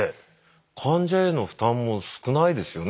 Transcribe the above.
患者への負担も少ないですよね。